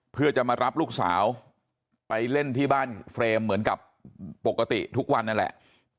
เพื่อจะมารับลูกสาวไปเล่นที่บ้านเฟรมเหมือนกับปกติทุกวันนั่นแหละ